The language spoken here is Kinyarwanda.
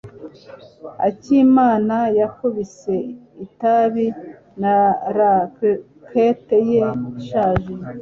Akimana yakubise itapi na racket ye ishaje.